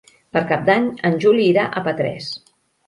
Per Cap d'Any en Juli irà a Petrés.